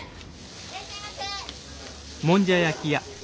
いらっしゃいませ。